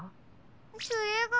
それが。